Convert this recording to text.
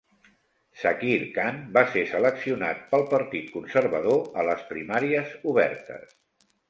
Zakir Khan va ser seleccionat pel Partit Conservador a les primàries obertes.